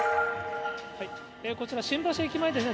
こちら新橋駅前です。